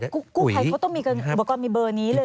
กู้ภัยเพราะต้องมีบริการมีเบอร์นี้เลยเหรอ